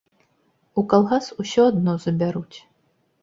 У калгас усё адно забяруць.